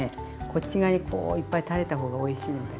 こっち側にこういっぱい垂れたほうがおいしいので。